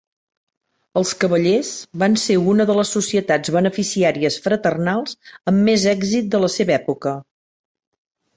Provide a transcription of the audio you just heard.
Els cavallers van ser una de les societats beneficiàries fraternals amb més èxit de la seva època.